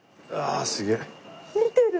見てる！